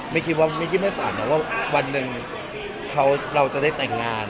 ไม่คิดไม่ฝันว่าวันหนึ่งเราจะได้แต่งงาน